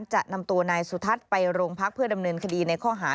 จะนำตัวนายสุทัศน์ไปโรงพักเพื่อดำเนินคดีในข้อหา